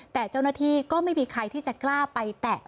แต่เจ้าหน้าที่ก็ไม่มีใครที่จะกล้าไปแตะ